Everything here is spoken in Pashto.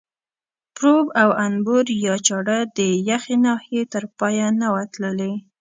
پروب او انبور یا چاړه د یخې ناحیې تر پایه نه وه تللې.